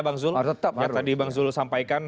bang zul ya tetap ya tadi bang zul sampaikan